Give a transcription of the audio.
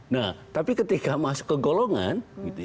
nah tapi ketika masuk ke golongan